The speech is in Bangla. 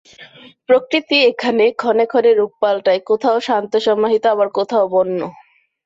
প্রকৃতি এখানে ক্ষণে ক্ষণে রূপ পাল্টায়, কোথাও শান্ত সমাহিত আবার কোথাও বন্য।